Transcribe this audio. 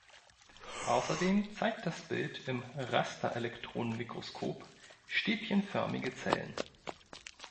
Außerdem zeigt das Bild im Rasterelektronenmikroskop stäbchenförmige Zellen.